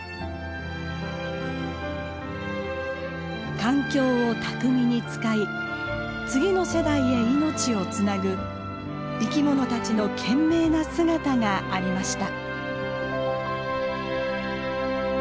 環境を巧みに使い次の世代へ命をつなぐ生き物たちの懸命な姿がありました。